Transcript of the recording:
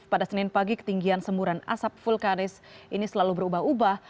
pada senin pagi ketinggian semburan asap vulkanis ini selalu berubah ubah